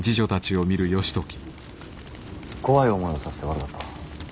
怖い思いをさせて悪かった。